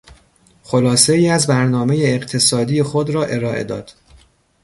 خلاصهای از برنامهی اقتصادی خود را ارائه داد.